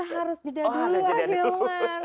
kita harus jeda dulu akhilman